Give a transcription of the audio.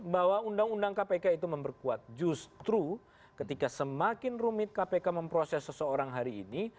bahwa undang undang kpk itu memperkuat justru ketika semakin rumit kpk memproses seseorang hari ini